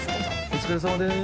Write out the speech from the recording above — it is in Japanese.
お疲れさまです。